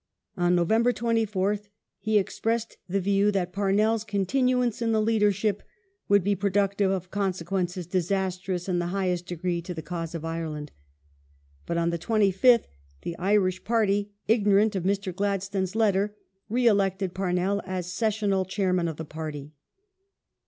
On Novem ber 24th he expressed the view that Parnell's "continuance in the leadership would be productive of consequences disastrous, in the highest degree, to the cause of Ireland," but on the 25th the Irish Party, ignorant of Mr. Gladstone's letter, re elected Parnell as Sessional Chairman of the Party.